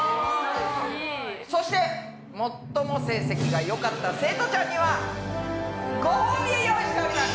そして最も成績がよかった生徒ちゃんにはごほうびを用意しております。